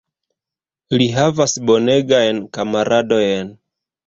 Li havas bonegajn kamaradojn.